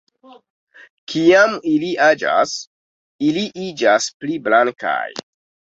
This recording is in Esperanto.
Kiam ili aĝas ili iĝas pli blankaj.